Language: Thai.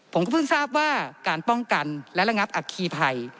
ผมก็เพิ่งทราบว่าการป้องกันและระงับอัคคีภัย